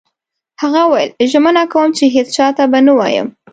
هغه وویل: ژمنه کوم چي هیڅ چا ته به نه وایم.